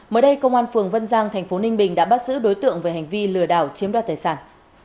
mới đây công an phường vân giang thành phố ninh bình đã bắt giữ đối tượng về hành vi lừa đảo chiếm đoạt tài sản